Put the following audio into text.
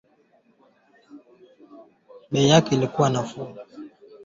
Mfumuko wa bei uko asilimia sita.